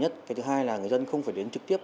cái thứ hai là người dân không phải đến trực tiếp